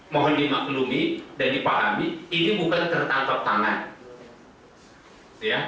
mohon dimaklumi dan dipahami ini bukan tertangkap tangan